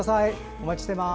お待ちしています。